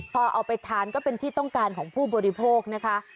พอเอาไปทานก็เป็นที่ต้องการของผู้บริโภคนะคะ